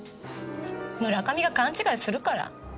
村上が勘違いするから。